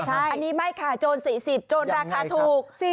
อันนี้ไม่ค่ะโจร๔๐โจรราคาถูก